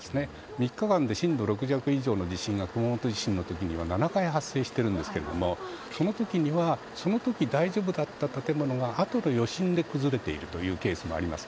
３日間で震度６弱以上の地震が熊本地震の時には７回発生しているんですがその時には、その時大丈夫だった建物があとで余震で崩れているというケースもあります。